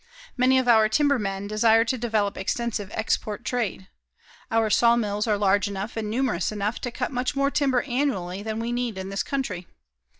Many of our timber men desire to develop extensive export trade. Our sawmills are large enough and numerous enough to cut much more timber annually than we need in this country.